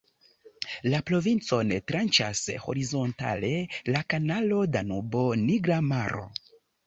La provincon "tranĉas" horizontale la Kanalo Danubo-Nigra Maro.